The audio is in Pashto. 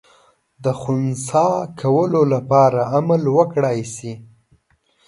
د خنثی کولو لپاره عمل وکړای سي.